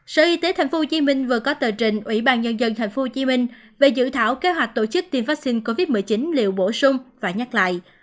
sở y tế tp hcm vừa có tờ trình ủy ban nhân dân tp hcm về dự thảo kế hoạch tổ chức tiêm vaccine covid một mươi chín liệu bổ sung và nhắc lại